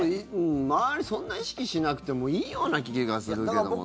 周りそんな意識しなくてもいいような気がするけどもな。